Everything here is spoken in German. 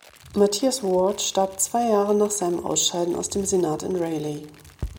Matthias Ward starb zwei Jahre nach seinem Ausscheiden aus dem Senat in Raleigh.